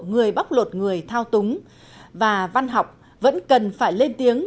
chế độ người bóc lột người thao túng và văn học vẫn cần phải lên tiếng